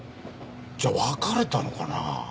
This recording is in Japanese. じゃあ別れたのかなあ。